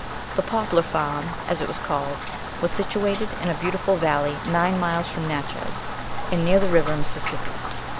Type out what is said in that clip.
The Poplar Farm, as it was called, was situated in a beautiful valley nine miles from Natchez, and near the river Mississippi.